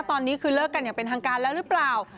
ตอนนี้คือเลิกกันอย่างเป็นทางการแล้วหรือเปล่า